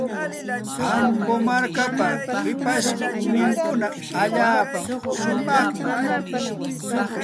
Ambo markapa shipashninkuna allaapa shumaqmi.